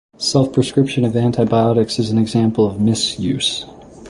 Self prescription of antibiotics is an example of misuse.